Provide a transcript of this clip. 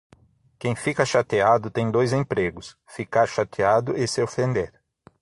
Quem fica chateado tem dois empregos: ficar chateado e se ofender.